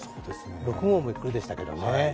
６号もゆっくりでしたけどね。